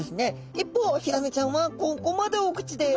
一方ヒラメちゃんはここまでお口です。